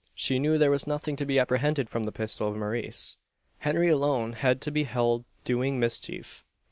She knew there was nothing to be apprehended from the pistol of Maurice. Henry alone had to be held doing mischief.